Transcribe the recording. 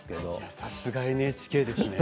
さすがＮＨＫですね。